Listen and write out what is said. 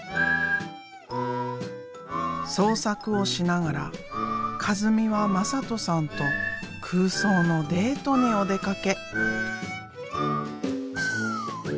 創作をしながら一美はまさとさんと空想のデートにお出かけ。